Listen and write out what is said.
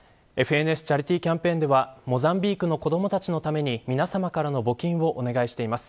ＦＮＳチャリティキャンペーンでは、モザンビークの子どもたちのために皆さまからの募金をお願いしています。